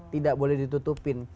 tidak boleh ditutupin